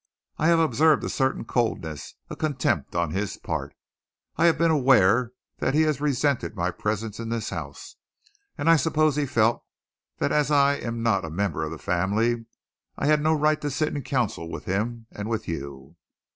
I have observed a certain coldness, a contempt, on his part. I have been aware that he has resented my presence in this house. And I suppose he felt that as I am not a member of the family, I had no right to sit in council with him and with you."